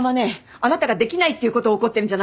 あなたができないっていうことを怒ってるんじゃないの。